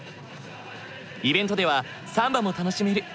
イベントではサンバも楽しめる。